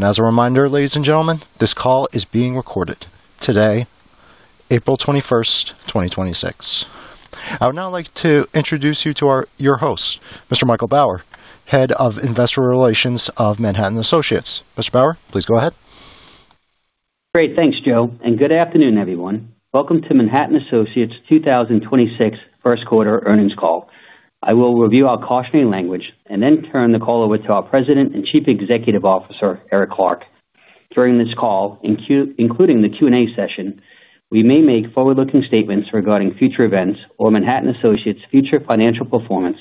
As a reminder, ladies and gentlemen, this call is being recorded today, April 21st, 2026. I would now like to introduce you to your host, Mr. Michael Bauer, Head of Investor Relations of Manhattan Associates. Mr. Bauer, please go ahead. Great. Thanks, Joe, and good afternoon, everyone. Welcome to Manhattan Associates 2026 first quarter earnings call. I will review our cautionary language and then turn the call over to our President and Chief Executive Officer, Eric Clark. During this call, including the Q&A session, we may make forward-looking statements regarding future events or Manhattan Associates' future financial performance.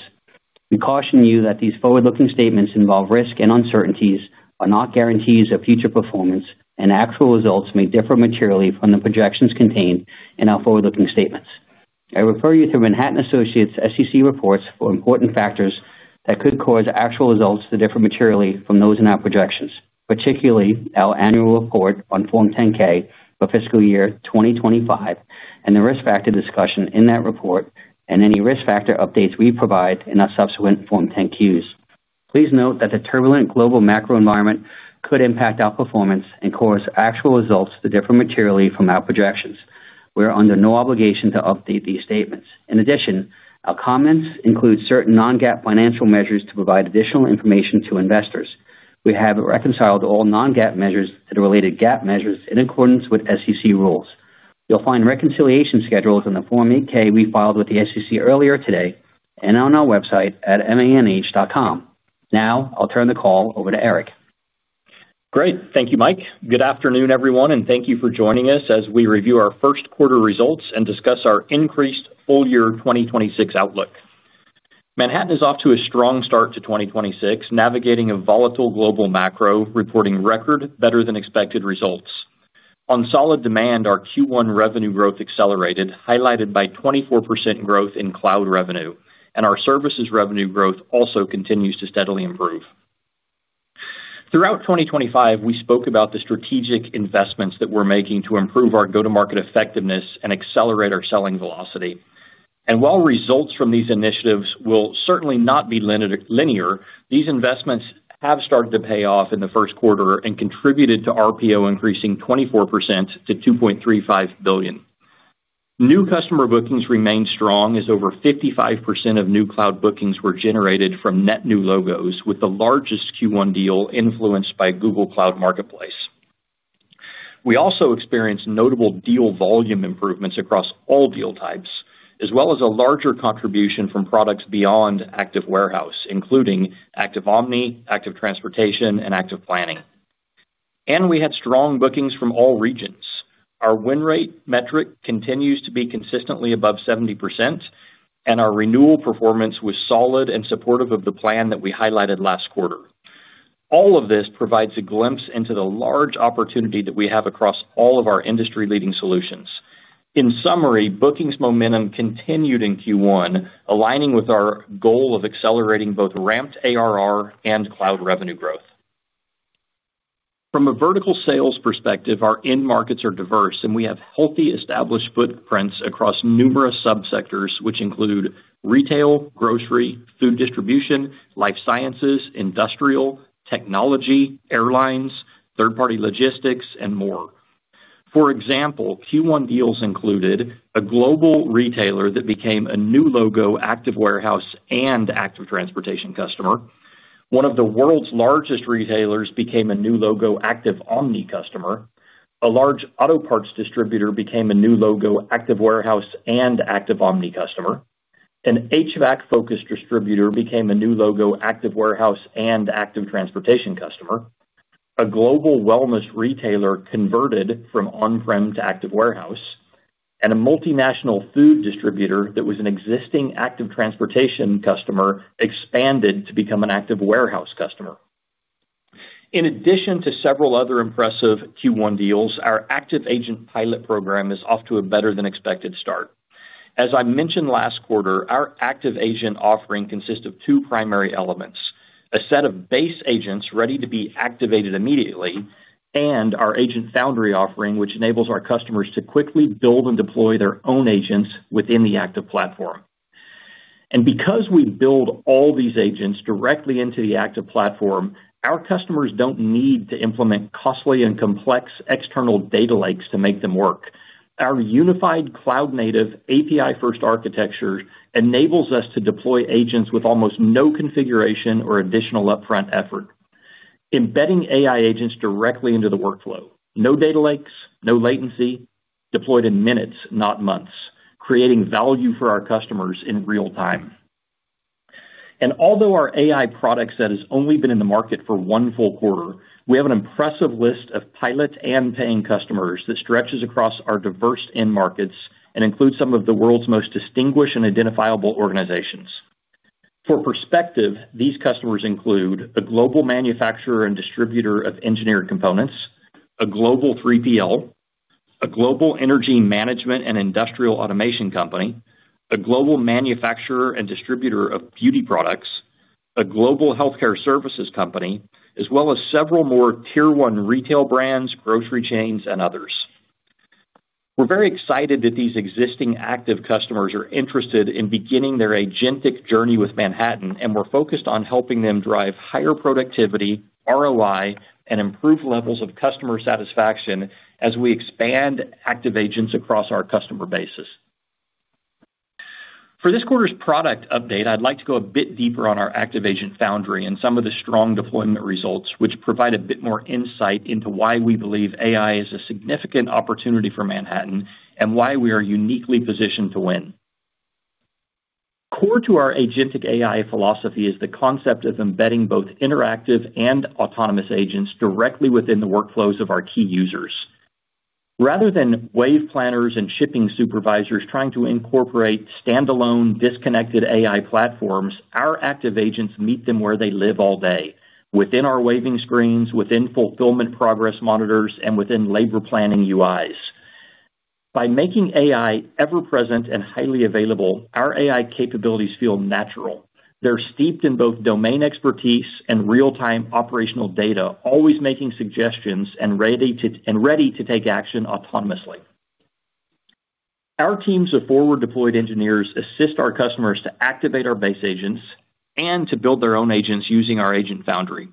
We caution you that these forward-looking statements involve risk and uncertainties, are not guarantees of future performance, and actual results may differ materially from the projections contained in our forward-looking statements. I refer you to Manhattan Associates' SEC reports for important factors that could cause actual results to differ materially from those in our projections, particularly our annual report on Form 10-K for fiscal year 2025 and the risk factor discussion in that report and any risk factor updates we provide in our subsequent Form 10-Q. Please note that the turbulent global macro environment could impact our performance and cause actual results to differ materially from our projections. We are under no obligation to update these statements. In addition, our comments include certain non-GAAP financial measures to provide additional information to investors. We have reconciled all non-GAAP measures to the related GAAP measures in accordance with SEC rules. You'll find reconciliation schedules in the Form 8-K we filed with the SEC earlier today and on our website at manh.com. Now I'll turn the call over to Eric. Great. Thank you, Mike. Good afternoon, everyone, and thank you for joining us as we review our first quarter results and discuss our increased full year 2026 outlook. Manhattan is off to a strong start to 2026, navigating a volatile global macro, reporting record better than expected results. On solid demand, our Q1 revenue growth accelerated, highlighted by 24% growth in cloud revenue, and our services revenue growth also continues to steadily improve. Throughout 2025, we spoke about the strategic investments that we're making to improve our go-to-market effectiveness and accelerate our selling velocity. While results from these initiatives will certainly not be linear, these investments have started to pay off in the first quarter and contributed to RPO increasing 24% to $2.35 billion. New customer bookings remain strong as over 55% of new cloud bookings were generated from net new logos, with the largest Q1 deal influenced by Google Cloud Marketplace. We also experienced notable deal volume improvements across all deal types, as well as a larger contribution from products beyond Active® Warehouse, including Active® Omni, Active® Transportation, and Active® Planning. We had strong bookings from all regions. Our win rate metric continues to be consistently above 70%, and our renewal performance was solid and supportive of the plan that we highlighted last quarter. All of this provides a glimpse into the large opportunity that we have across all of our industry-leading solutions. In summary, bookings momentum continued in Q1, aligning with our goal of accelerating both ramped ARR and cloud revenue growth. From a vertical sales perspective, our end markets are diverse, and we have healthy established footprints across numerous sub-sectors, which include retail, grocery, food distribution, life sciences, industrial, technology, airlines, third-party logistics, and more. For example, Q1 deals included a global retailer that became a new logo Active® Warehouse and Active® Transportation customer. One of the world's largest retailers became a new logo Active® Omni customer. A large auto parts distributor became a new logo Active® Warehouse and Active® Omni customer. An HVAC-focused distributor became a new logo Active® Warehouse and Active® Transportation customer. A global wellness retailer converted from on-prem to Active® Warehouse, and a multinational food distributor that was an existing Active® Transportation customer expanded to become an Active® Warehouse customer. In addition to several other impressive Q1 deals, our Active Agent pilot program is off to a better than expected start. As I mentioned last quarter, our Active® Agent offering consists of two primary elements, a set of base agents ready to be activated immediately, and our Agent Foundry offering, which enables our customers to quickly build and deploy their own agents within the Active® Platform. Because we build all these agents directly into the Active® Platform, our customers don't need to implement costly and complex external data lakes to make them work. Our unified cloud-native API-first architecture enables us to deploy agents with almost no configuration or additional upfront effort, embedding AI agents directly into the workflow. No data lakes, no latency, deployed in minutes, not months, creating value for our customers in real time. Although our AI product set has only been in the market for one full quarter, we have an impressive list of pilots and paying customers that stretches across our diverse end markets and includes some of the world's most distinguished and identifiable organizations. For perspective, these customers include a global manufacturer and distributor of engineered components, a global 3PL, a global energy management and industrial automation company, a global manufacturer and distributor of beauty products, a global healthcare services company, as well as several more tier one retail brands, grocery chains, and others. We're very excited that these existing active customers are interested in beginning their agentic journey with Manhattan, and we're focused on helping them drive higher productivity, ROI, and improve levels of customer satisfaction as we expand Active® Agents across our customer base. For this quarter's product update, I'd like to go a bit deeper on our Active Agent Foundry and some of the strong deployment results, which provide a bit more insight into why we believe AI is a significant opportunity for Manhattan and why we are uniquely positioned to win. Core to our agentic AI philosophy is the concept of embedding both interactive and autonomous agents directly within the workflows of our key users. Rather than wave planners and shipping supervisors trying to incorporate standalone, disconnected AI platforms, our Active® Agents meet them where they live all day, within our waving screens, within fulfillment progress monitors, and within labor planning UIs. By making AI ever present and highly available, our AI capabilities feel natural. They're steeped in both domain expertise and real-time operational data, always making suggestions and ready to take action autonomously. Our teams of forward-deployed engineers assist our customers to activate our base agents and to build their own agents using our Agent Foundry.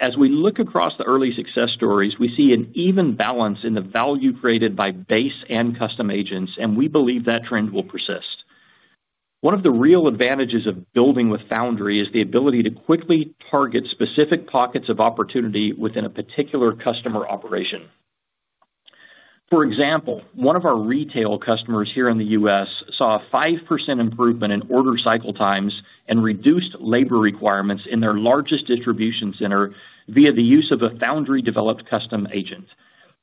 As we look across the early success stories, we see an even balance in the value created by base and custom agents, and we believe that trend will persist. One of the real advantages of building with Foundry is the ability to quickly target specific pockets of opportunity within a particular customer operation. For example, one of our retail customers here in the U.S. saw a 5% improvement in order cycle times and reduced labor requirements in their largest distribution center via the use of a Foundry-developed custom agent.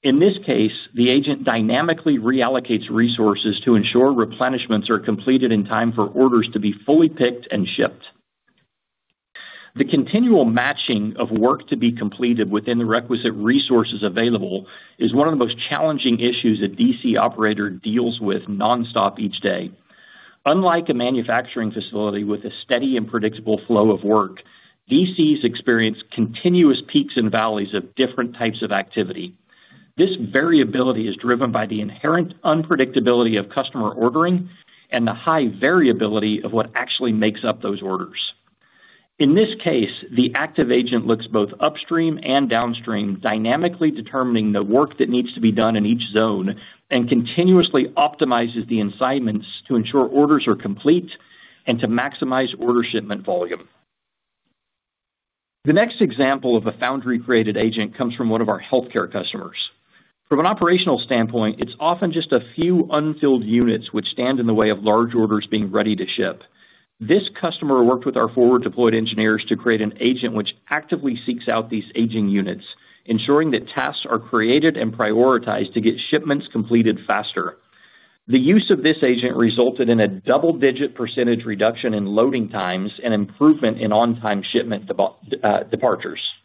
In this case, the agent dynamically reallocates resources to ensure replenishments are completed in time for orders to be fully picked and shipped. The continual matching of work to be completed within the requisite resources available is one of the most challenging issues a DC operator deals with nonstop each day. Unlike a manufacturing facility with a steady and predictable flow of work, DCs experience continuous peaks and valleys of different types of activity. This variability is driven by the inherent unpredictability of customer ordering and the high variability of what actually makes up those orders. In this case, the Active Agent looks both upstream and downstream, dynamically determining the work that needs to be done in each zone, and continuously optimizes the assignments to ensure orders are complete and to maximize order shipment volume. The next example of a Foundry-created agent comes from one of our healthcare customers. From an operational standpoint, it's often just a few unfilled units which stand in the way of large orders being ready to ship. This customer worked with our forward-deployed engineers to create an agent which actively seeks out these aging units, ensuring that tasks are created and prioritized to get shipments completed faster. The use of this agent resulted in a double-digit % reduction in loading times and improvement in on-time shipment departures.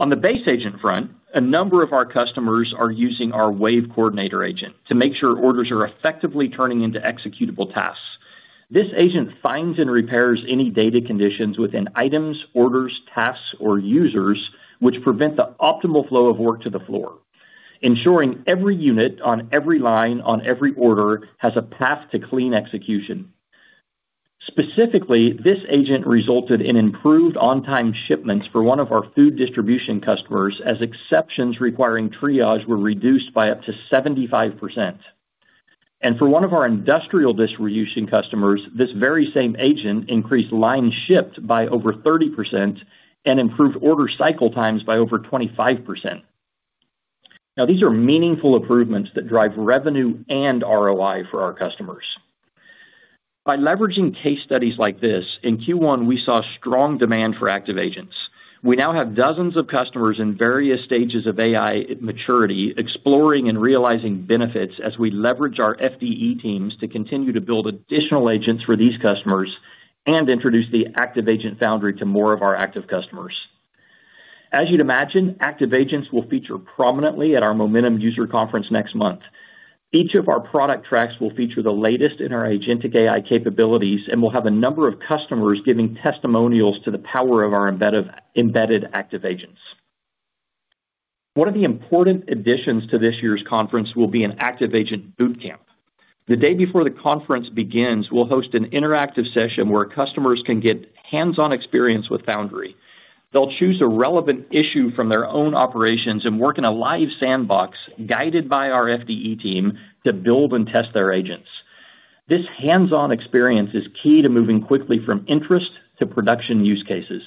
On the base agent front, a number of our customers are using our Wave Coordinator Agent to make sure orders are effectively turning into executable tasks. This agent finds and repairs any data conditions within items, orders, tasks, or users, which prevent the optimal flow of work to the floor, ensuring every unit on every line on every order has a path to clean execution. Specifically, this agent resulted in improved on-time shipments for one of our food distribution customers, as exceptions requiring triage were reduced by up to 75%. For one of our industrial distribution customers, this very same agent increased line shipped by over 30% and improved order cycle times by over 25%. Now, these are meaningful improvements that drive revenue and ROI for our customers. By leveraging case studies like this, in Q1, we saw strong demand for Active® Agents. We now have dozens of customers in various stages of AI maturity, exploring and realizing benefits as we leverage our FDE teams to continue to build additional agents for these customers and introduce the Active® Agent Foundry to more of our Active customers. As you'd imagine, Active® Agents will feature prominently at our Momentum user conference next month. Each of our product tracks will feature the latest in our agentic AI capabilities, and we'll have a number of customers giving testimonials to the power of our embedded Active® Agents. One of the important additions to this year's conference will be an Active® Agent Boot Camp. The day before the conference begins, we'll host an interactive session where customers can get hands-on experience with Foundry. They'll choose a relevant issue from their own operations and work in a live sandbox, guided by our FDE team, to build and test their agents. This hands-on experience is key to moving quickly from interest to production use cases.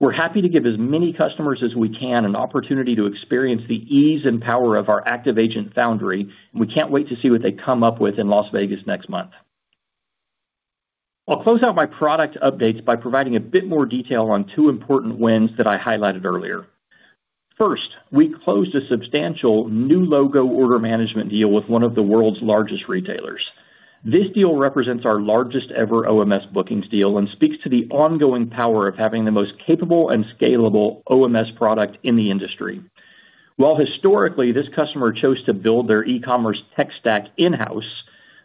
We're happy to give as many customers as we can an opportunity to experience the ease and power of our Active® Agent Foundry. We can't wait to see what they come up with in Las Vegas next month. I'll close out my product updates by providing a bit more detail on two important wins that I highlighted earlier. First, we closed a substantial new logo order management deal with one of the world's largest retailers. This deal represents our largest ever OMS bookings deal and speaks to the ongoing power of having the most capable and scalable OMS product in the industry. While historically, this customer chose to build their e-commerce tech stack in-house.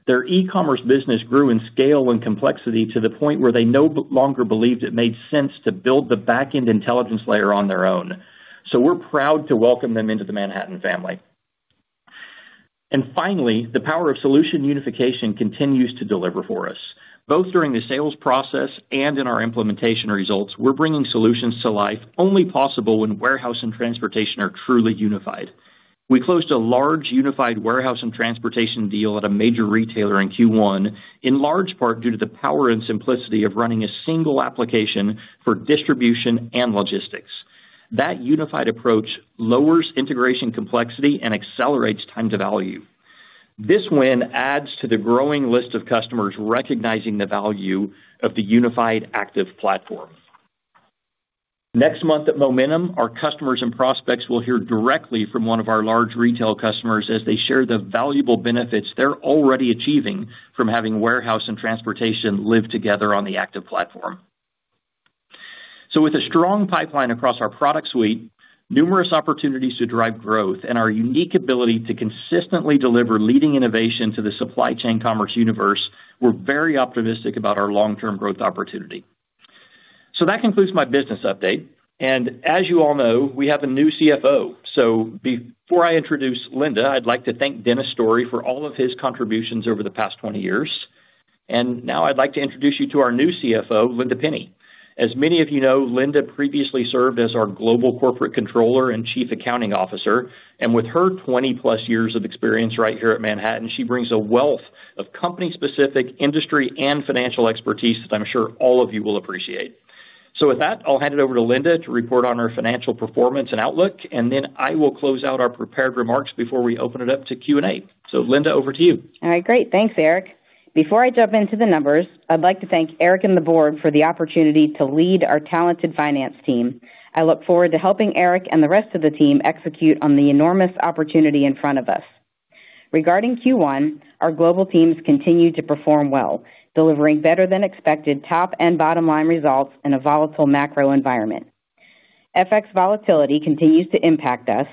Their e-commerce business grew in scale and complexity to the point where they no longer believed it made sense to build the back-end intelligence layer on their own. We're proud to welcome them into the Manhattan family. Finally, the power of solution unification continues to deliver for us, both during the sales process and in our implementation results. We're bringing solutions to life only possible when warehouse and transportation are truly unified. We closed a large unified warehouse and transportation deal at a major retailer in Q1, in large part due to the power and simplicity of running a single application for distribution and logistics. That unified approach lowers integration complexity and accelerates time to value. This win adds to the growing list of customers recognizing the value of the unified active platform. Next month at Momentum, our customers and prospects will hear directly from one of our large retail customers as they share the valuable benefits they're already achieving from having warehouse and transportation live together on the active platform. With a strong pipeline across our product suite, numerous opportunities to drive growth, and our unique ability to consistently deliver leading innovation to the supply chain commerce universe, we're very optimistic about our long-term growth opportunity. That concludes my business update. As you all know, we have a new Chief Financial Officer. Before I introduce Linda, I'd like to thank Dennis Story for all of his contributions over the past 20 years. Now I'd like to introduce you to our new Chief Financial Officer, Linda Pinne. As many of you know, Linda previously served as our Global Corporate Controller and Chief Accounting Officer, and with her 20+ years of experience right here at Manhattan, she brings a wealth of company-specific industry and financial expertise that I'm sure all of you will appreciate. With that, I'll hand it over to Linda to report on our financial performance and outlook, and then I will close out our prepared remarks before we open it up to Q&A. Linda, over to you. All right. Great. Thanks, Eric. Before I jump into the numbers, I'd like to thank Eric and the board for the opportunity to lead our talented finance team. I look forward to helping Eric and the rest of the team execute on the enormous opportunity in front of us. Regarding Q1, our global teams continued to perform well, delivering better than expected top and bottom line results in a volatile macro environment. FX volatility continues to impact us.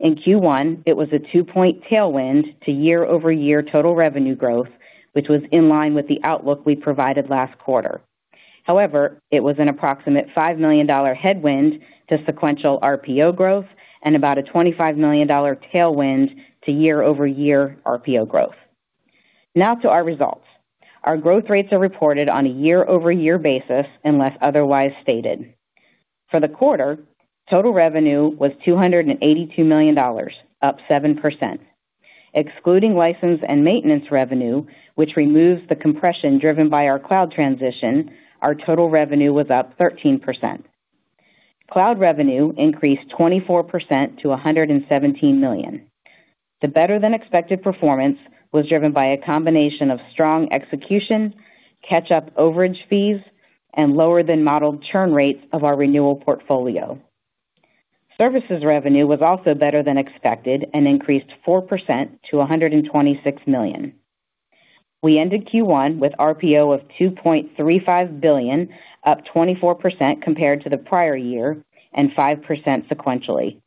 In Q1, it was a 2-point tailwind to year-over-year total revenue growth, which was in line with the outlook we provided last quarter. However, it was an approximate $5 million headwind to sequential RPO growth and about a $25 million tailwind to year-over-year RPO growth. Now to our results. Our growth rates are reported on a year-over-year basis unless otherwise stated. For the quarter, total revenue was $282 million, up 7%. Excluding license and maintenance revenue, which removes the compression driven by our cloud transition, our total revenue was up 13%. Cloud revenue increased 24% to $117 million. The better than expected performance was driven by a combination of strong execution, catch-up overage fees, and lower than modeled churn rates of our renewal portfolio. Services revenue was also better than expected and increased 4% to $126 million. We ended Q1 with RPO of $2.35 billion, up 24% compared to the prior year and 5% sequentially.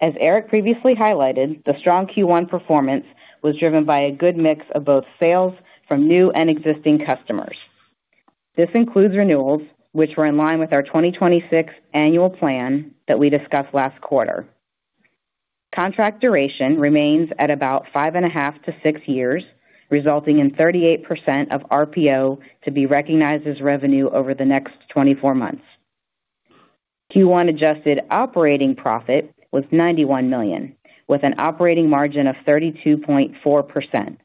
As Eric previously highlighted, the strong Q1 performance was driven by a good mix of both sales from new and existing customers. This includes renewals, which were in line with our 2026 annual plan that we discussed last quarter. Contract duration remains at about five in a half to six years, resulting in 38% of RPO to be recognized as revenue over the next 24 months. Q1 adjusted operating profit was $91 million, with an operating margin of 32.4%.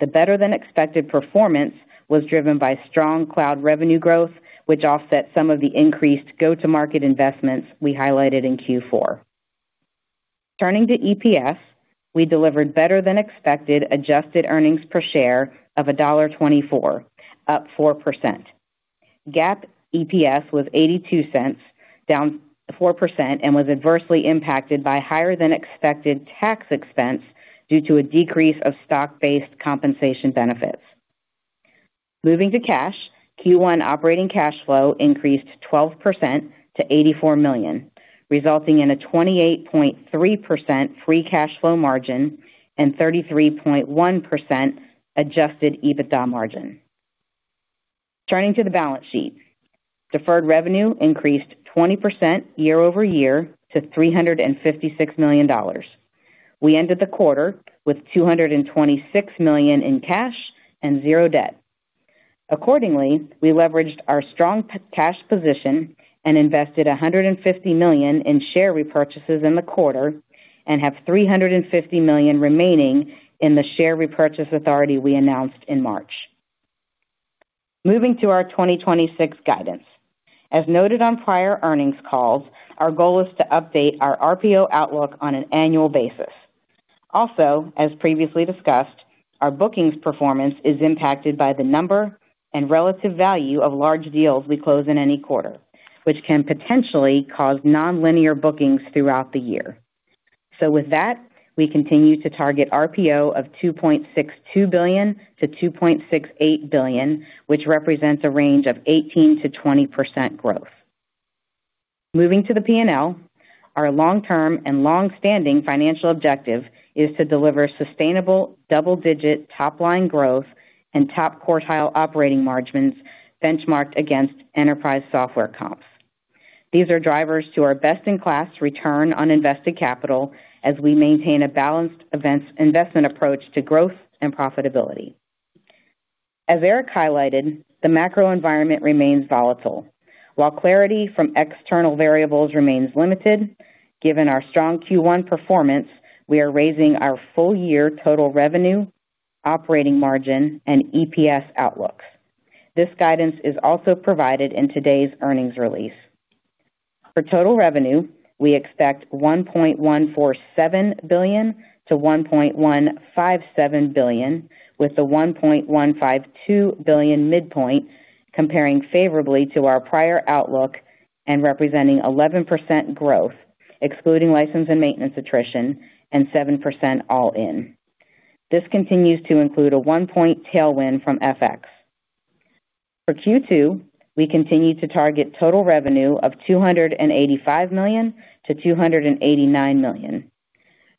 The better-than-expected performance was driven by strong cloud revenue growth, which offset some of the increased go-to-market investments we highlighted in Q4. Turning to EPS, we delivered better than expected adjusted earnings per share of $1.24, up 4%. GAAP EPS was $0.82, down 4%, and was adversely impacted by higher than expected tax expense due to a decrease of stock-based compensation benefits. Moving to cash, Q1 operating cash flow increased 12% to $84 million, resulting in a 28.3% free cash flow margin and 33.1% adjusted EBITDA margin. Turning to the balance sheet. Deferred revenue increased 20% year-over-year to $356 million. We ended the quarter with $226 million in cash and zero debt. Accordingly, we leveraged our strong cash position and invested $150 million in share repurchases in the quarter and have $350 million remaining in the share repurchase authority we announced in March. Moving to our 2026 guidance. As noted on prior earnings calls, our goal is to update our RPO outlook on an annual basis. Also, as previously discussed, our bookings performance is impacted by the number and relative value of large deals we close in any quarter, which can potentially cause nonlinear bookings throughout the year. With that, we continue to target RPO of $2.62 billion-$2.68 billion, which represents a range of 18%-20% growth. Moving to the P&L, our long-term and long-standing financial objective is to deliver sustainable double-digit top line growth and top quartile operating margins benchmarked against enterprise software comps. These are drivers to our best-in-class return on invested capital as we maintain a balanced investment approach to growth and profitability. As Eric highlighted, the macro environment remains volatile. While clarity from external variables remains limited, given our strong Q1 performance, we are raising our full year total revenue, operating margin, and EPS outlooks. This guidance is also provided in today's earnings release. For total revenue, we expect $1.147 billion-$1.157 billion, with the $1.152 billion midpoint comparing favorably to our prior outlook and representing 11% growth, excluding license and maintenance attrition, and 7% all-in. This continues to include a one-point tailwind from FX. For Q2, we continue to target total revenue of $285 million-$289 million.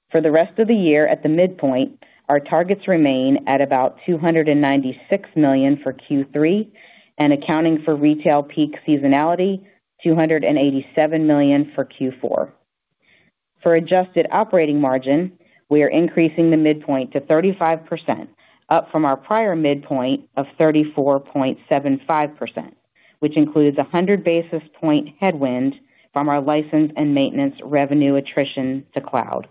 For the rest of the year at the midpoint, our targets remain at about $296 million for Q3 and, accounting for retail peak seasonality, $287 million for Q4. For adjusted operating margin, we are increasing the midpoint to 35%, up from our prior midpoint of 34.75%, which includes 100 basis points headwind from our license and maintenance revenue attrition to cloud.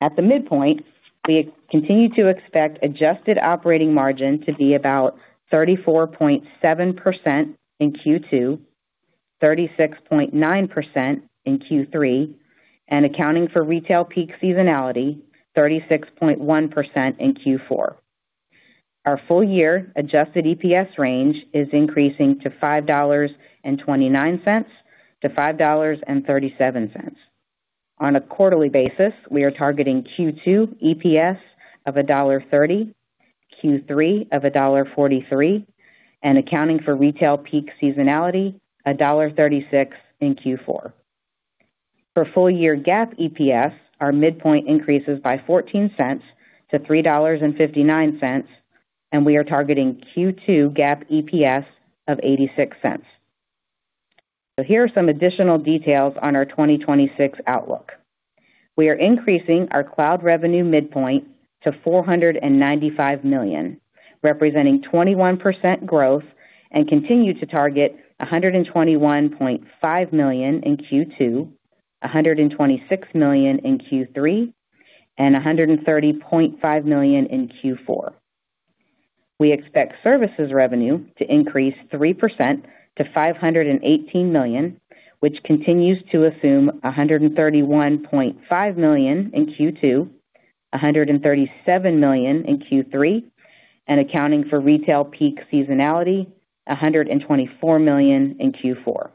At the midpoint, we continue to expect adjusted operating margin to be about 34.7% in Q2, 36.9% in Q3, and accounting for retail peak seasonality, 36.1% in Q4. Our full-year adjusted EPS range is increasing to $5.29-$5.37. On a quarterly basis, we are targeting Q2 EPS of $1.30, Q3 of $1.43, and accounting for retail peak seasonality, $1.36 in Q4. For full-year GAAP EPS, our midpoint increases by $0.14-$3.59, and we are targeting Q2 GAAP EPS of $0.86. Here are some additional details on our 2026 outlook. We are increasing our cloud revenue midpoint to $495 million, representing 21% growth, and continue to target $121.5 million in Q2, $126 million in Q3, and $130.5 million in Q4. We expect services revenue to increase 3% to $518 million, which continues to assume $131.5 million in Q2, $137 million in Q3, and accounting for retail peak seasonality, $124 million in Q4.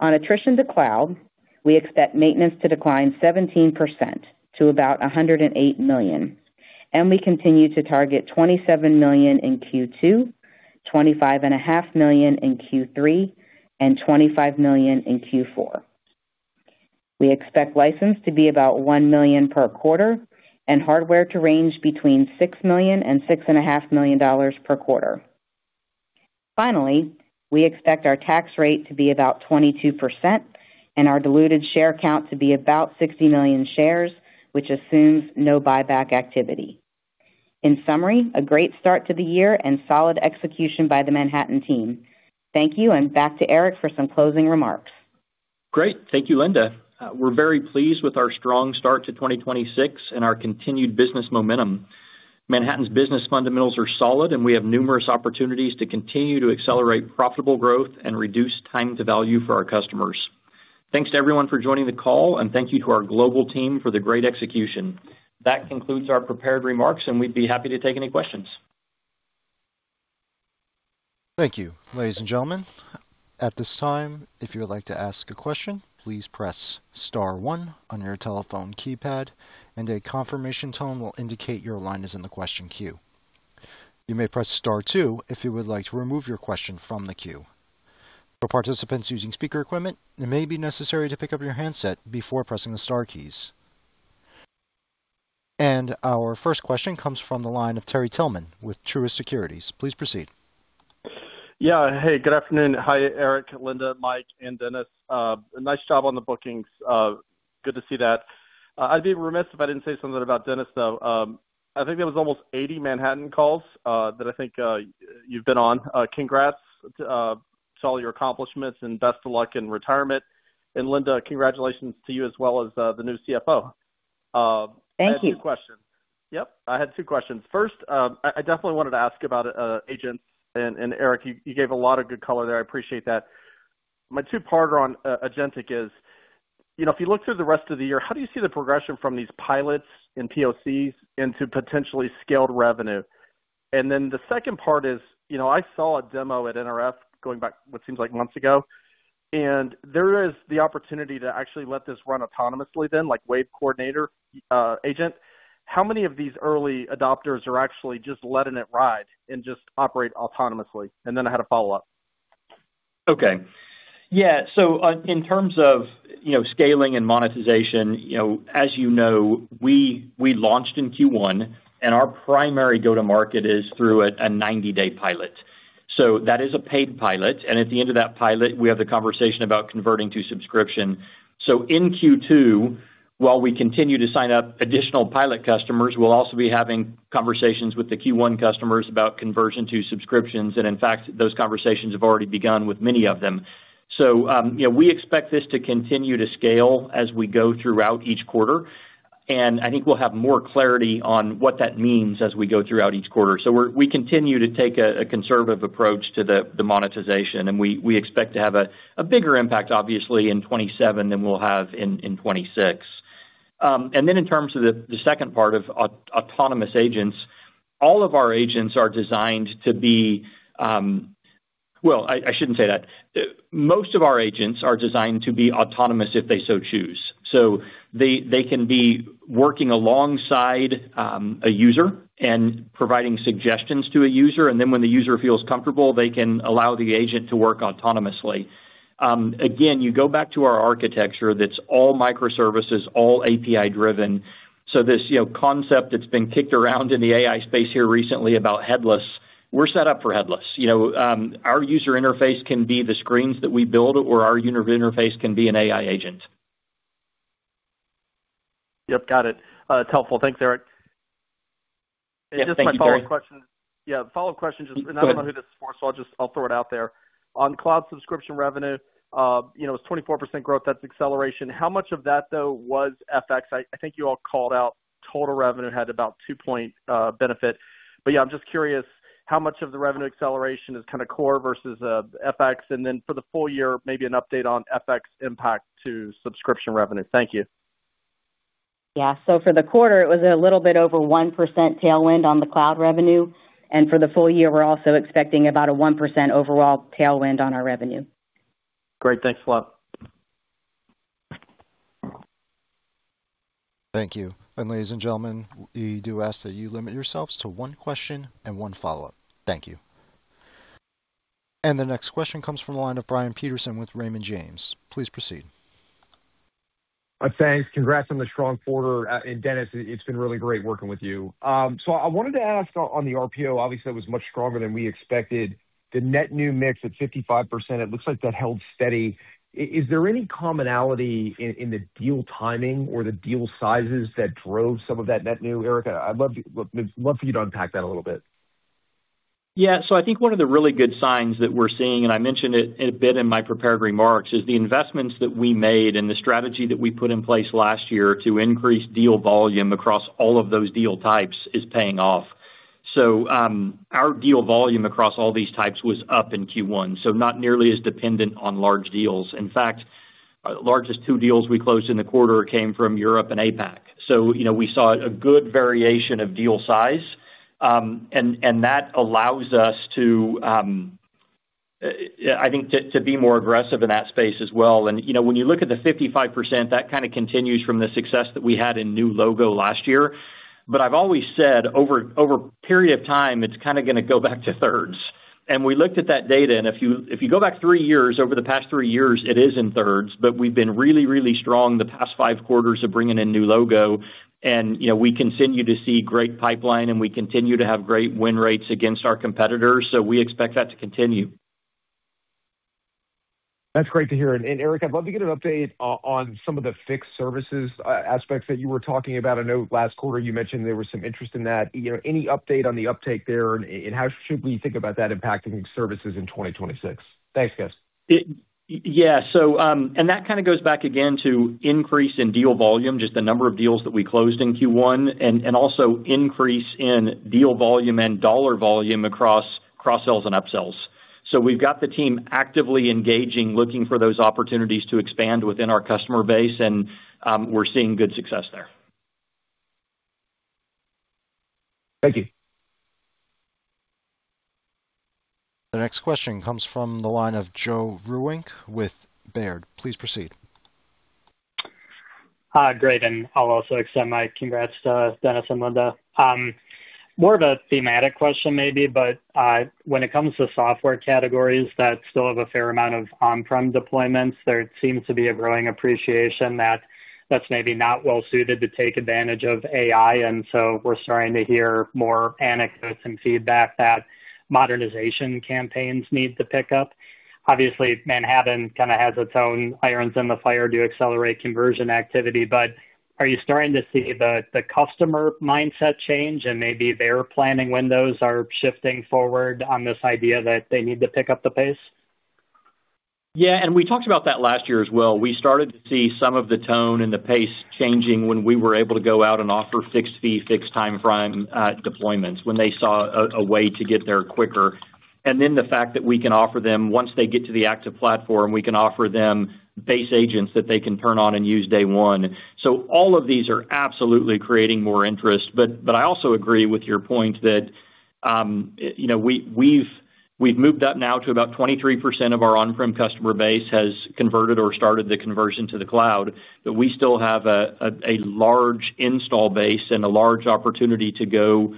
On attrition to cloud, we expect maintenance to decline 17% to about $108 million, and we continue to target $27 million in Q2, $25.5 million in Q3, and $25 million in Q4. We expect license to be about $1 million per quarter and hardware to range between $6 million-$6.5 million per quarter. Finally, we expect our tax rate to be about 22% and our diluted share count to be about 60 million shares, which assumes no buyback activity. In summary, a great start to the year and solid execution by the Manhattan team. Thank you, and back to Eric for some closing remarks. Great. Thank you, Linda. We're very pleased with our strong start to 2026 and our continued business momentum. Manhattan's business fundamentals are solid, and we have numerous opportunities to continue to accelerate profitable growth and reduce time to value for our customers. Thanks to everyone for joining the call, and thank you to our global team for the great execution. That concludes our prepared remarks, and we'd be happy to take any questions. Thank you. Ladies and gentlemen, at this time, if you would like to ask a question, please press star one on your telephone keypad and a confirmation tone will indicate your line is in the question queue. You may press star two if you would like to remove your question from the queue. For participants using speaker equipment, it may be necessary to pick up your handset before pressing the star keys. Our first question comes from the line of Terry Tillman with Truist Securities. Please proceed. Hey, good afternoon. Hi, Eric, Linda, Mike, and Dennis. Nice job on the bookings. Good to see that. I'd be remiss if I didn't say something about Dennis, though. I think that was almost 80 Manhattan calls that I think you've been on. Congrats to all your accomplishments and best of luck in retirement. Linda, congratulations to you as well as the new Chief Financial Officer. Thank you. I have two questions. Yep. I had two questions. First, I definitely wanted to ask about Agentic, and Eric, you gave a lot of good color there. I appreciate that. My two-parter on Agentic is, if you look through the rest of the year, how do you see the progression from these pilots and POCs into potentially scaled revenue? The second part is, I saw a demo at NRF going back what seems like months ago, and there is the opportunity to actually let this run autonomously then, like Wave Coordinator Agent. How many of these early adopters are actually just letting it ride and just operate autonomously? I had a follow-up. Okay. Yeah. In terms of scaling and monetization, as you know, we launched in Q1, and our primary go-to-market is through a 90-day pilot. That is a paid pilot, and at the end of that pilot, we have the conversation about converting to subscription. In Q2, while we continue to sign up additional pilot customers, we'll also be having conversations with the Q1 customers about conversion to subscriptions. And in fact, those conversations have already begun with many of them. We expect this to continue to scale as we go throughout each quarter, and I think we'll have more clarity on what that means as we go throughout each quarter. We continue to take a conservative approach to the monetization, and we expect to have a bigger impact, obviously, in 2027 than we'll have in 2026. In terms of the second part of autonomous agents, all of our agents are designed to be. Well, I shouldn't say that. Most of our agents are designed to be autonomous if they so choose. They can be working alongside a user and providing suggestions to a user, and then when the user feels comfortable, they can allow the agent to work autonomously. Again, you go back to our architecture, that's all microservices, all API-driven. This concept that's been kicked around in the AI space here recently about headless, we're set up for headless. Our user interface can be the screens that we build, or our user interface can be an AI agent. Yep, got it. It's helpful. Thanks, Eric. Yeah. Thank you, Terry Tillman. Yeah, follow-up question just- Go ahead. I don't know who this is for, so I'll throw it out there. On cloud subscription revenue, it was 24% growth. That's acceleration. How much of that, though, was FX? I think you all called out total revenue had about 2-point benefit. Yeah, I'm just curious how much of the revenue acceleration is kind of core versus FX. Then for the full year, maybe an update on FX impact to subscription revenue. Thank you. Yeah. For the quarter, it was a little bit over 1% tailwind on the cloud revenue. For the full year, we're also expecting about a 1% overall tailwind on our revenue. Great. Thanks a lot. Thank you. Ladies and gentlemen, we do ask that you limit yourselves to one question and one follow-up. Thank you. The next question comes from the line of Brian Peterson with Raymond James. Please proceed. Thanks. Congrats on the strong quarter. Dennis, it's been really great working with you. I wanted to ask on the RPO, obviously that was much stronger than we expected. The net new mix at 55%, it looks like that held steady. Is there any commonality in the deal timing or the deal sizes that drove some of that net new? Eric, I'd love for you to unpack that a little bit. Yeah. I think one of the really good signs that we're seeing, and I mentioned it a bit in my prepared remarks, is the investments that we made and the strategy that we put in place last year to increase deal volume across all of those deal types is paying off. Our deal volume across all these types was up in Q1, so not nearly as dependent on large deals. In fact, our largest two deals we closed in the quarter came from Europe and APAC. We saw a good variation of deal size, and that allows us to, I think, to be more aggressive in that space as well. When you look at the 55%, that kind of continues from the success that we had in new logo last year. I've always said, over a period of time, it's kind of going to go back to thirds. We looked at that data, and if you go back three years, over the past three years, it is in thirds. We've been really, really strong the past five quarters of bringing in new logo, and we continue to see great pipeline, and we continue to have great win rates against our competitors. We expect that to continue. That's great to hear. Eric, I'd love to get an update on some of the fixed services aspects that you were talking about. I know last quarter you mentioned there was some interest in that. Any update on the uptake there, and how should we think about that impacting services in 2026? Thanks, guys. Yeah. That kind of goes back again to increase in deal volume, just the number of deals that we closed in Q1, and also increase in deal volume and dollar volume across cross-sells and up-sells. We've got the team actively engaging, looking for those opportunities to expand within our customer base, and we're seeing good success there. Thank you. The next question comes from the line of Joe Vruwink with Baird. Please proceed. Great, and I'll also extend my congrats to Dennis and Linda. More of a thematic question maybe, but when it comes to software categories that still have a fair amount of on-prem deployments, there seems to be a growing appreciation that that's maybe not well suited to take advantage of AI, and so we're starting to hear more anecdotes and feedback that modernization campaigns need to pick up. Obviously, Manhattan kind of has its own irons in the fire to accelerate conversion activity, but are you starting to see the customer mindset change and maybe their planning windows are shifting forward on this idea that they need to pick up the pace? Yeah. We talked about that last year as well. We started to see some of the tone and the pace changing when we were able to go out and offer fixed fee, fixed timeframe deployments, when they saw a way to get there quicker. Then the fact that we can offer them, once they get to the active platform, we can offer them base agents that they can turn on and use day one. All of these are absolutely creating more interest. I also agree with your point that we've moved up now to about 23% of our on-prem customer base has converted or started the conversion to the cloud, but we still have a large install base and a large opportunity to go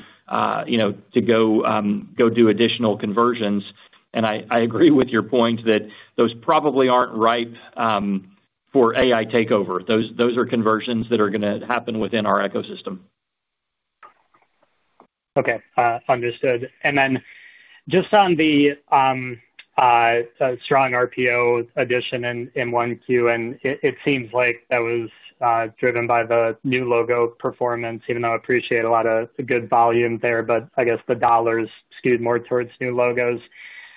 do additional conversions. I agree with your point that those probably aren't ripe for AI takeover. Those are conversions that are going to happen within our ecosystem. Okay. Understood. Just on the strong RPO addition in 1Q, and it seems like that was driven by the new logo performance, even though I appreciate a lot of the good volume there, but I guess the dollars skewed more towards new logos.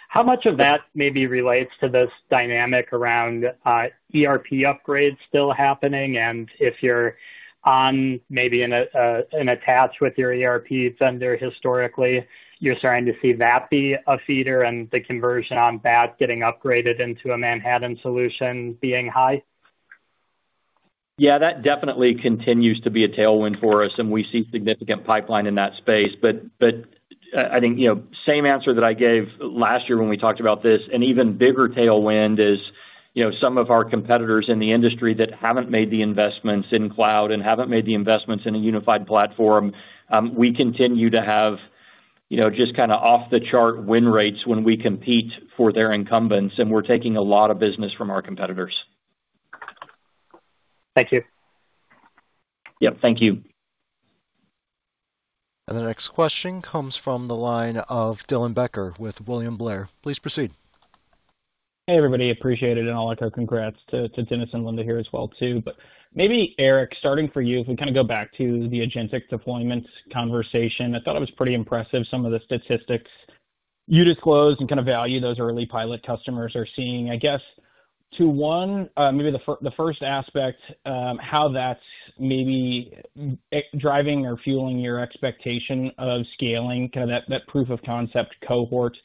How much of that maybe relates to this dynamic around ERP upgrades still happening? If you're on maybe in an attach with your ERP vendor historically, you're starting to see that be a feeder and the conversion on that getting upgraded into a Manhattan solution being high? Yeah, that definitely continues to be a tailwind for us, and we see significant pipeline in that space. I think, same answer that I gave last year when we talked about this, an even bigger tailwind is some of our competitors in the industry that haven't made the investments in cloud and haven't made the investments in a unified platform, we continue to have just off-the-chart win rates when we compete for their incumbents, and we're taking a lot of business from our competitors. Thank you. Yep, thank you. The next question comes from the line of Dylan Becker with William Blair. Please proceed. Hey, everybody. Appreciate it, and all our congrats to Dennis and Linda here as well too. Maybe, Eric, starting for you, if we go back to the agentic deployments conversation, I thought it was pretty impressive some of the statistics you disclosed and value those early pilot customers are seeing. I guess to one, maybe the first aspect, how that's maybe driving or fueling your expectation of scaling that proof of concept cohort,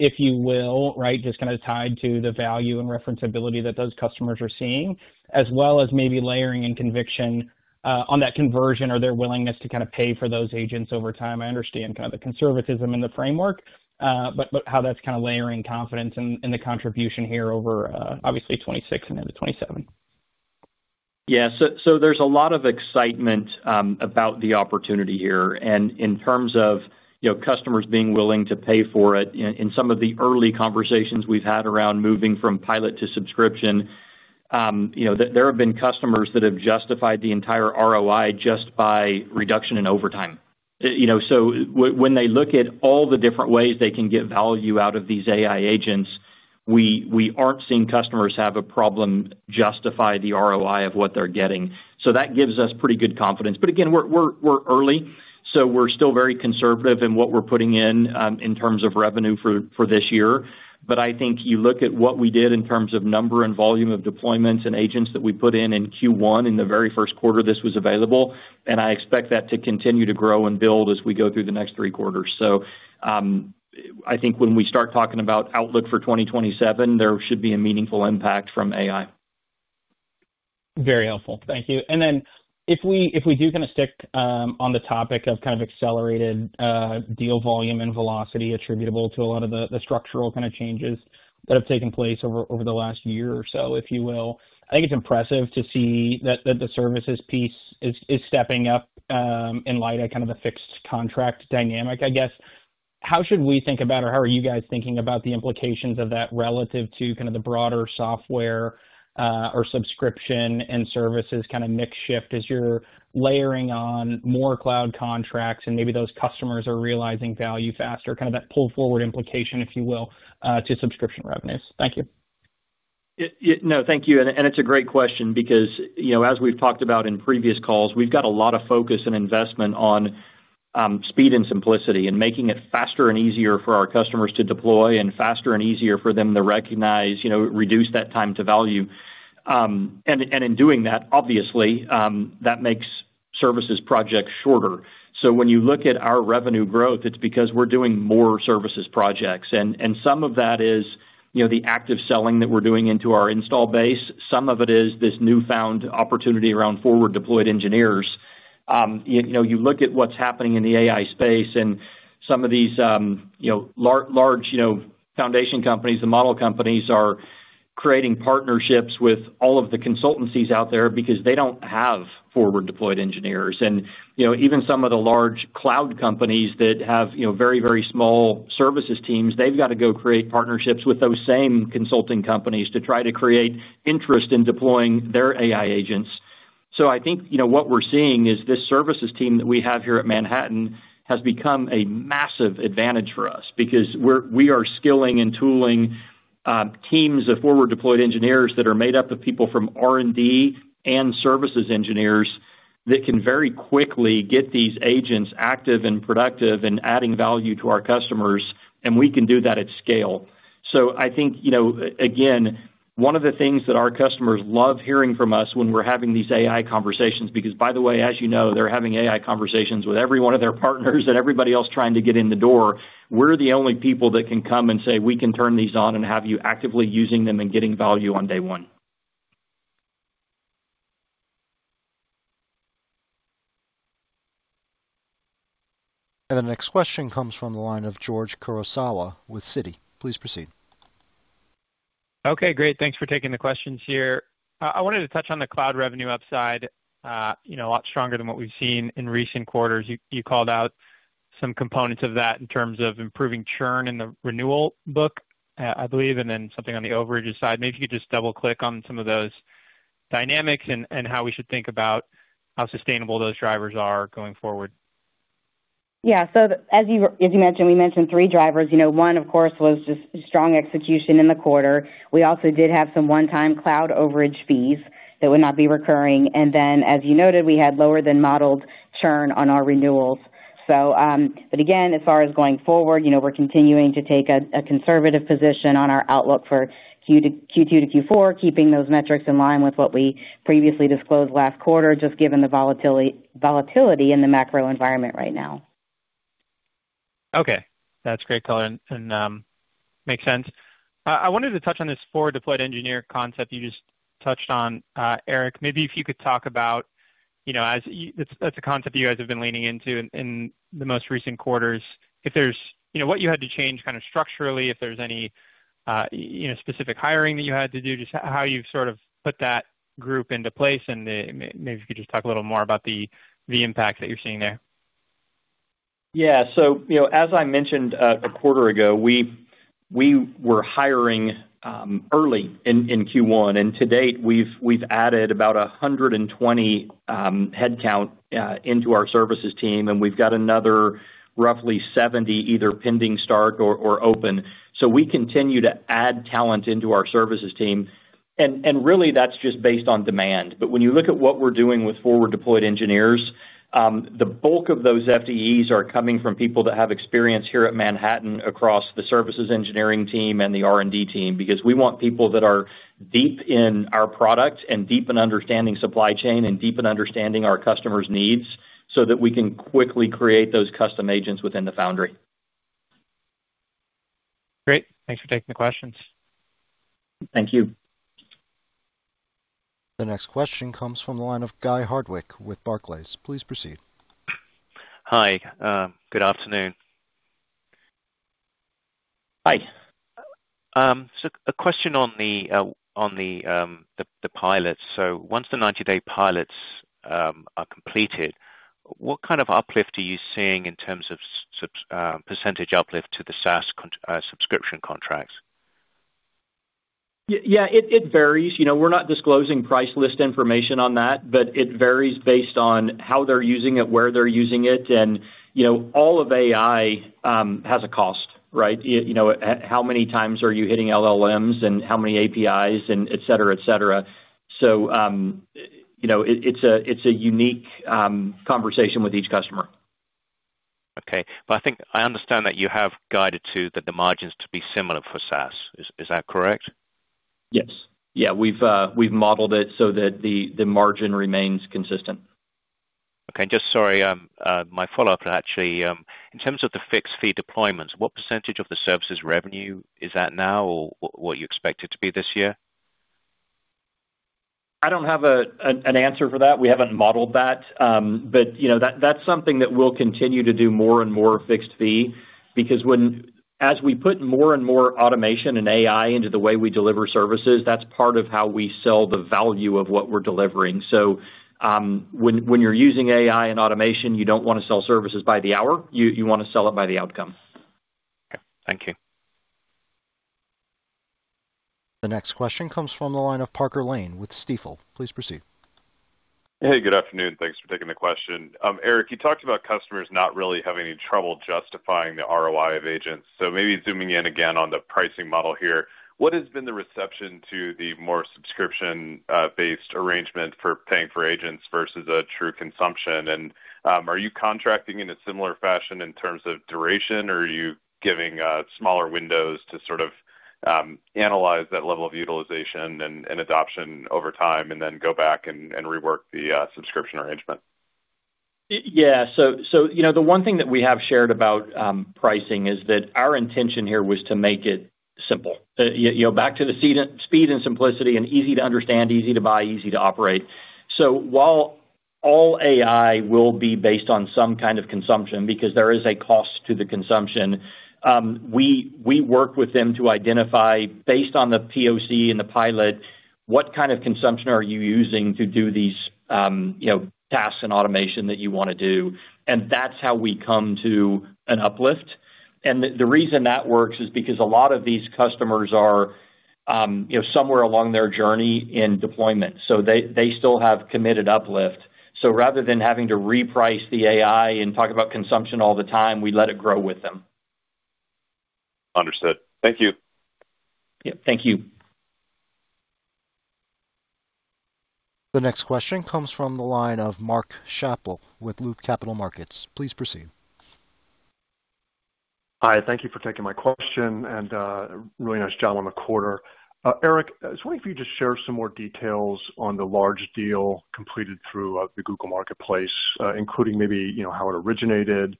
if you will, right? Just tied to the value and reference ability that those customers are seeing, as well as maybe layering in conviction on that conversion or their willingness to pay for those agents over time. I understand the conservatism in the framework, but how that's layering confidence in the contribution here over, obviously, 2026 and into 2027. Yeah. There's a lot of excitement about the opportunity here. In terms of customers being willing to pay for it, in some of the early conversations we've had around moving from pilot to subscription, there have been customers that have justified the entire ROI just by reduction in overtime. When they look at all the different ways they can get value out of these AI agents, we aren't seeing customers have a problem justify the ROI of what they're getting. That gives us pretty good confidence. Again, we're early, so we're still very conservative in what we're putting in terms of revenue for this year. I think you look at what we did in terms of number and volume of deployments and agents that we put in in Q1, in the very first quarter this was available, and I expect that to continue to grow and build as we go through the next three quarters. I think when we start talking about outlook for 2027, there should be a meaningful impact from AI. Very helpful. Thank you. If we do stick on the topic of accelerated deal volume and velocity attributable to a lot of the structural changes that have taken place over the last year or so, if you will, I think it's impressive to see that the services piece is stepping up, in light of the fixed contract dynamic, I guess. How should we think about or how are you guys thinking about the implications of that relative to the broader software or subscription and services mix shift as you're layering on more cloud contracts and maybe those customers are realizing value faster, that pull forward implication, if you will, to subscription revenues? Thank you. No, thank you. It's a great question because, as we've talked about in previous calls, we've got a lot of focus and investment on speed and simplicity and making it faster and easier for our customers to deploy and faster and easier for them to recognize, reduce that time to value. In doing that, obviously, that makes services projects shorter. When you look at our revenue growth, it's because we're doing more services projects. Some of that is the active selling that we're doing into our install base. Some of it is this newfound opportunity around forward deployed engineers. You look at what's happening in the AI space and some of these large foundation companies and model companies are creating partnerships with all of the consultancies out there because they don't have forward deployed engineers. Even some of the large cloud companies that have very small services teams, they've got to go create partnerships with those same consulting companies to try to create interest in deploying their AI agents. I think what we're seeing is this services team that we have here at Manhattan has become a massive advantage for us because we are skilling and tooling teams of forward deployed engineers that are made up of people from R&D and services engineers that can very quickly get these agents active and productive and adding value to our customers, and we can do that at scale. I think, again, one of the things that our customers love hearing from us when we're having these AI conversations, because by the way, as you know, they're having AI conversations with every one of their partners and everybody else trying to get in the door. We're the only people that can come and say, "We can turn these on and have you actively using them and getting value on day one. The next question comes from the line of George Kurosawa with Citi. Please proceed. Okay, great. Thanks for taking the questions here. I wanted to touch on the cloud revenue upside, a lot stronger than what we've seen in recent quarters. You called out some components of that in terms of improving churn in the renewal book, I believe, and then something on the overages side. Maybe if you could just double-click on some of those dynamics and how we should think about how sustainable those drivers are going forward. Yeah. As you mentioned, we mentioned three drivers. One, of course, was just strong execution in the quarter. We also did have some one-time cloud overage fees that would not be recurring. As you noted, we had lower than modeled churn on our renewals. Again, as far as going forward, we're continuing to take a conservative position on our outlook for Q2 to Q4, keeping those metrics in line with what we previously disclosed last quarter, just given the volatility in the macro environment right now. Okay. That's great color and makes sense. I wanted to touch on this forward-deployed engineer concept you just touched on, Eric. Maybe if you could talk about, as that's a concept you guys have been leaning into in the most recent quarters, what you had to change structurally, if there's any specific hiring that you had to do, just how you've sort of put that group into place and maybe if you could just talk a little more about the impact that you're seeing there? Yeah. As I mentioned a quarter ago, we were hiring early in Q1, and to date, we've added about 120 headcount into our services team, and we've got another roughly 70 either pending start or open. We continue to add talent into our services team. Really, that's just based on demand. When you look at what we're doing with forward deployed engineers, the bulk of those FDEs are coming from people that have experience here at Manhattan across the services engineering team and the R&D team, because we want people that are deep in our product and deep in understanding supply chain and deep in understanding our customers' needs so that we can quickly create those custom agents within the foundry. Great. Thanks for taking the questions. Thank you. The next question comes from the line of Guy Hardwick with Barclays. Please proceed. Hi. Good afternoon. Hi. A question on the pilot. Once the 90-day pilots are completed, what kind of uplift are you seeing in terms of percentage uplift to the SaaS subscription contracts? Yeah, it varies. We're not disclosing price list information on that, but it varies based on how they're using it, where they're using it. All of AI has a cost, right? How many times are you hitting LLMs and how many APIs and et cetera? It's a unique conversation with each customer. Okay. I think I understand that you have guided to the margins to be similar for SaaS. Is that correct? Yes. Yeah, we've modeled it so that the margin remains consistent. Okay. Just sorry, my follow-up, actually. In terms of the fixed-fee deployments, what percentage of the services revenue is that now, or what you expect it to be this year? I don't have an answer for that. We haven't modeled that. That's something that we'll continue to do more and more fixed fee, because as we put more and more automation and AI into the way we deliver services, that's part of how we sell the value of what we're delivering. When you're using AI and automation, you don't want to sell services by the hour. You want to sell it by the outcome. Okay. Thank you. The next question comes from the line of Parker Lane with Stifel. Please proceed. Hey, good afternoon. Thanks for taking the question. Eric, you talked about customers not really having any trouble justifying the ROI of agents. Maybe zooming in again on the pricing model here, what has been the reception to the more subscription-based arrangement for paying for agents versus a true consumption? and, are you contracting in a similar fashion in terms of duration, or are you giving smaller windows to sort of analyze that level of utilization and adoption over time and then go back and rework the subscription arrangement? Yeah. The one thing that we have shared about pricing is that our intention here was to make it simple. Back to the speed and simplicity and easy to understand, easy to buy, easy to operate. While all AI will be based on some kind of consumption, because there is a cost to the consumption, we work with them to identify, based on the POC and the pilot, what kind of consumption are you using to do these tasks and automation that you want to do, and that's how we come to an uplift. The reason that works is because a lot of these customers are somewhere along their journey in deployment, so they still have committed uplift. Rather than having to reprice the AI and talk about consumption all the time, we let it grow with them. Understood. Thank you. Yep, thank you. The next question comes from the line of Mark Schappel with Loop Capital Markets. Please proceed. Hi, thank you for taking my question, and really nice job on the quarter. Eric, I was wondering if you could just share some more details on the large deal completed through the Google Cloud Marketplace, including maybe how it originated,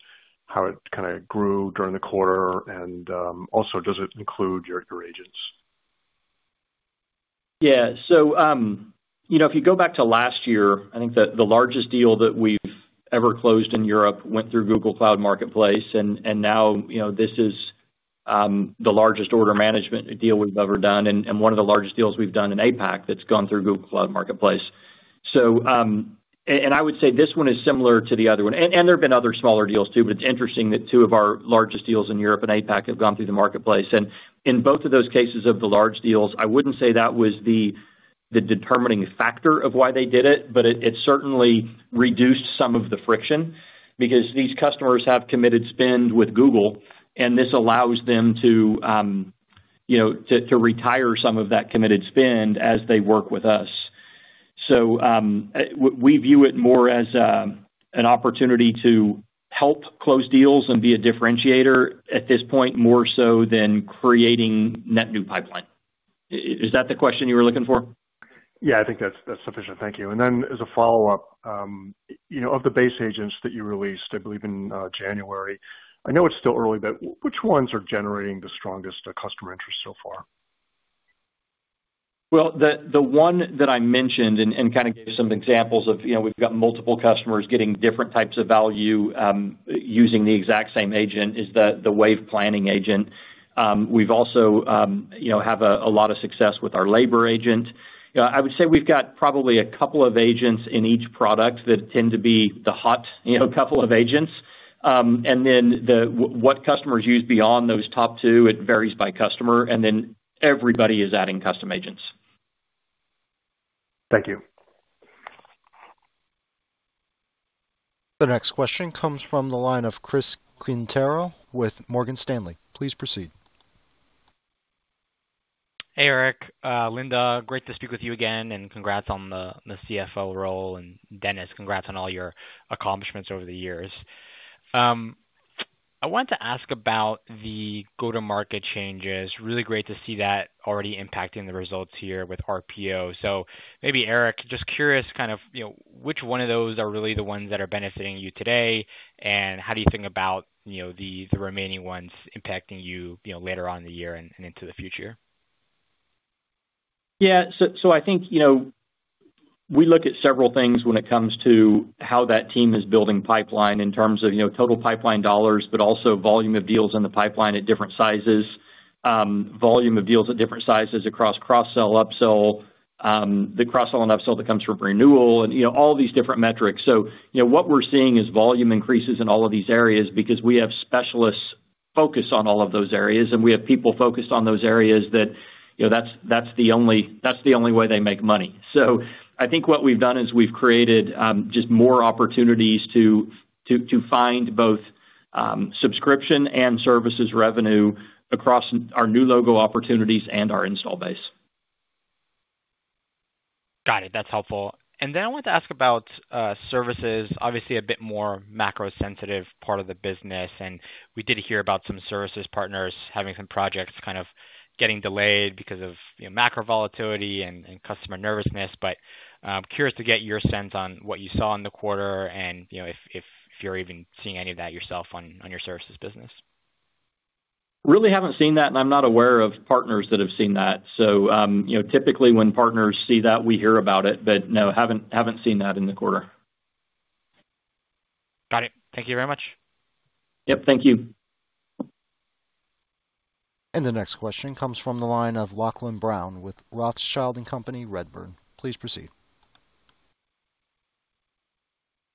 how it kind of grew during the quarter, and also, does it include your agents? Yeah. If you go back to last year, I think the largest deal that we've ever closed in Europe went through Google Cloud Marketplace, and now this is the largest order management deal we've ever done and one of the largest deals we've done in APAC that's gone through Google Cloud Marketplace. I would say this one is similar to the other one, and there have been other smaller deals too, but it's interesting that two of our largest deals in Europe and APAC have gone through the Marketplace. In both of those cases of the large deals, I wouldn't say that was the determining factor of why they did it, but it certainly reduced some of the friction because these customers have committed spend with Google and this allows them to retire some of that committed spend as they work with us. We view it more as an opportunity to help close deals and be a differentiator at this point, more so than creating net new pipeline. Is that the question you were looking for? Yeah, I think that's sufficient. Thank you. As a follow-up, of the base agents that you released, I believe in January, I know it's still early, but which ones are generating the strongest customer interest so far? Well, the one that I mentioned and gave some examples of, we've got multiple customers getting different types of value, using the exact same agent is the Wave Coordinator Agent. We've also had a lot of success with our Labor Agent. I would say we've got probably a couple of agents in each product that tend to be the hot couple of agents. Then what customers use beyond those top two, it varies by customer, and then everybody is adding custom agents. Thank you. The next question comes from the line of Chris Quintero with Morgan Stanley. Please proceed. Hey, Eric. Linda, great to speak with you again and congrats on the Chief Financial Officer role, and Dennis, congrats on all your accomplishments over the years. I want to ask about the go-to-market changes. Really great to see that already impacting the results here with RPO. Maybe Eric, just curious which one of those are really the ones that are benefiting you today, and how do you think about the remaining ones impacting you later on in the year and into the future? Yeah. I think we look at several things when it comes to how that team is building pipeline in terms of total pipeline dollars, but also volume of deals in the pipeline at different sizes, volume of deals at different sizes across cross-sell, up-sell, the cross-sell and up-sell that comes from renewal and all these different metrics. What we're seeing is volume increases in all of these areas because we have specialists focused on all of those areas, and we have people focused on those areas that's the only way they make money. I think what we've done is we've created just more opportunities to find both subscription and services revenue across our new logo opportunities and our installed base. Got it. That's helpful. I want to ask about services, obviously a bit more macro sensitive part of the business, and we did hear about some services partners having some projects kind of getting delayed because of macro volatility and customer nervousness. I'm curious to get your sense on what you saw in the quarter and if you're even seeing any of that yourself on your services business. Really haven't seen that, and I'm not aware of partners that have seen that. Typically when partners see that, we hear about it. No, haven't seen that in the quarter. Got it. Thank you very much. Yep. Thank you. The next question comes from the line of Lachlan Brown with Rothschild & Co Redburn. Please proceed.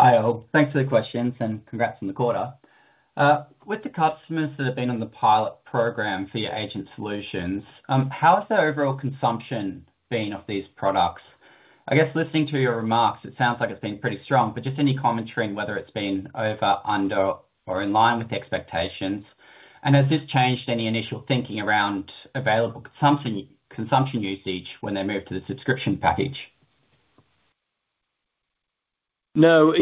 Hi all. Thanks for the questions, and congrats on the quarter. With the customers that have been on the pilot program for your agent solutions, how has their overall consumption been of these products? I guess listening to your remarks, it sounds like it's been pretty strong, but just any commentary on whether it's been over, under, or in line with the expectations. Has this changed any initial thinking around available consumption usage when they move to the subscription package? No.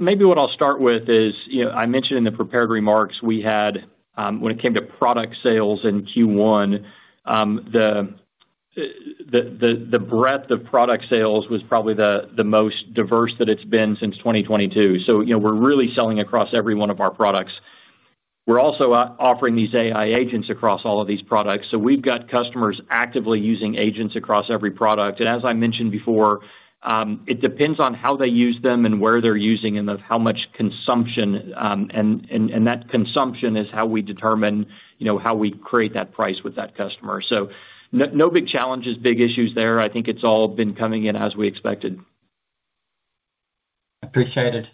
Maybe what I'll start with is, I mentioned in the prepared remarks we had, when it came to product sales in Q1, the breadth of product sales was probably the most diverse that it's been since 2022. We're really selling across every one of our products. We're also offering these AI agents across all of these products. We've got customers actively using agents across every product. As I mentioned before, it depends on how they use them and where they're using them, how much consumption. And that consumption is how we determine how we create that price with that customer. No big challenges, big issues there. I think it's all been coming in as we expected. Appreciated.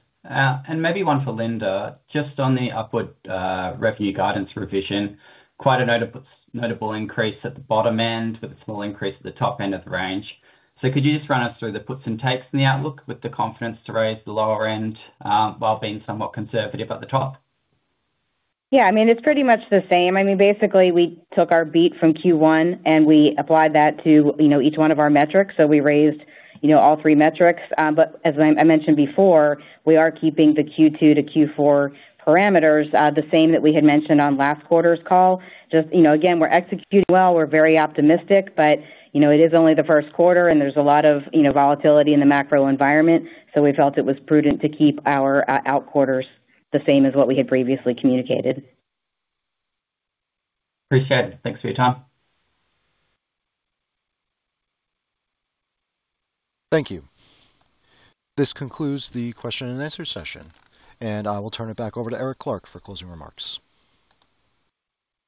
Maybe one for Linda, just on the upward revenue guidance revision. Quite a notable increase at the bottom end with a small increase at the top end of the range. Could you just run us through the puts and takes in the outlook with the confidence to raise the lower end, while being somewhat conservative at the top? Yeah. It's pretty much the same. Basically, we took our beat from Q1 and we applied that to each one of our metrics. We raised all three metrics. As I mentioned before, we are keeping the Q2 to Q4 parameters the same that we had mentioned on last quarter's call. Just again, we're executing well, we're very optimistic, but it is only the first quarter and there's a lot of volatility in the macro environment. We felt it was prudent to keep our out quarters the same as what we had previously communicated. Appreciate it. Thanks for your time. Thank you. This concludes the question and answer session, and I will turn it back over to Eric Clark for closing remarks.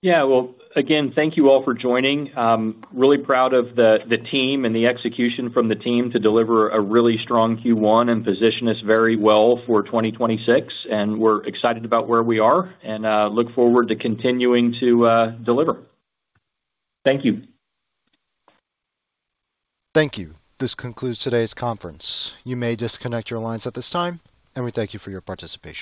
Yeah. Well, again, thank you all for joining. I'm really proud of the team and the execution from the team to deliver a really strong Q1 and position us very well for 2026, and we're excited about where we are and look forward to continuing to deliver. Thank you. Thank you. This concludes today's conference. You may disconnect your lines at this time, and we thank you for your participation.